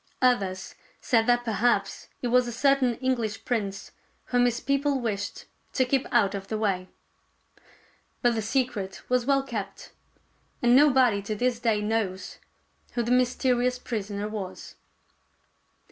Others said that perhaps he was a certain English prince whom his people wished to keep out of the way. But the secret was well kept, and nobody to this day knows who the mysterious prisoner was.